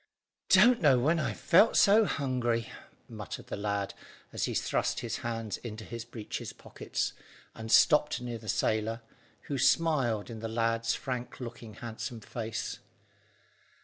"Don't know when I felt so hungry," muttered the lad, as he thrust his hands into his breeches pockets, and stopped near the sailor, who smiled in the lad's frank looking, handsome face.